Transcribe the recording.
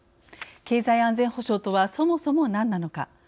経済安全保障とはそもそも何なのか。